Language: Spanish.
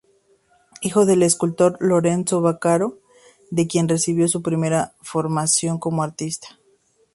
Hijo del escultor Lorenzo Vaccaro, de quien recibió su primera formación como artista.